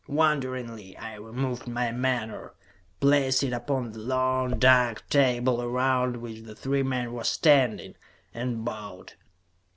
Wonderingly, I removed my menore, placed it upon the long, dark table around which the three men were standing, and bowed.